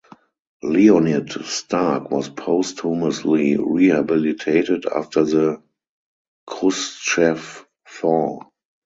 Leonid Stark was posthumously rehabilitated after the Khrushchev Thaw.